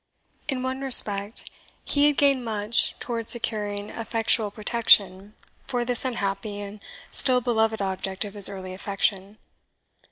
In one respect, he had gained much towards securing effectual protection for this unhappy and still beloved object of his early affection.